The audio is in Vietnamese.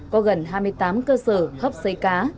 có gần hai mươi tám cơ sở hấp xấy cá